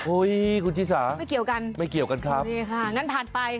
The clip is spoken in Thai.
โอ้ยคุณชิสาไม่เกี่ยวกันครับนี่ค่ะงั้นถัดไป